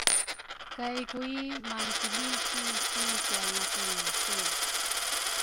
kay Kui malisilisi si kiaangatungatu.